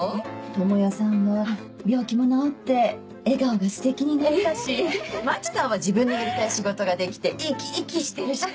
智代さんは病気も治って笑顔がステキになったし真希さんは自分のやりたい仕事ができて生き生きしてるし。